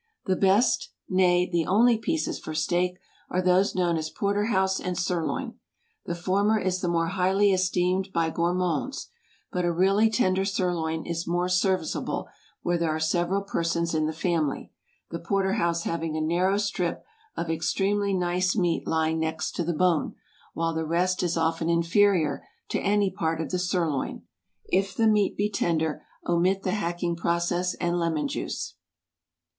The best—nay, the only pieces for steak are those known as porter house and sirloin. The former is the more highly esteemed by gourmands; but a really tender sirloin is more serviceable where there are several persons in the family, the porter house having a narrow strip of extremely nice meat lying next the bone, while the rest is often inferior to any part of the sirloin. If the meat be tender omit the hacking process and lemon juice.